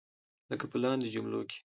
لکه په لاندې جملو کې.